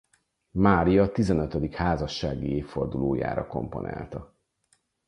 Mária tizenötödik házassági évfordulójára komponálta.